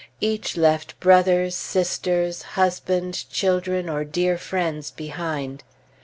Each left brothers, sisters, husband, children, or dear friends behind.